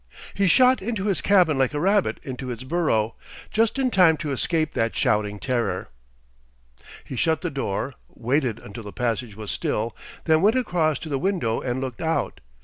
He shot into his cabin like a rabbit into its burrow, just in time to escape that shouting terror. He shut the door, waited until the passage was still, then went across to the window and looked out.